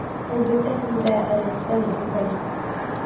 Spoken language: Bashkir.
Ул бөтәһен дә рәттән уҡый